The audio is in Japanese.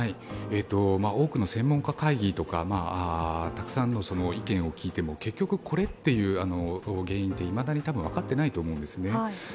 多くの専門家会議とかたくさんの意見を聞いても結局、これっていう原因っていまだに分かっていないと思うんです。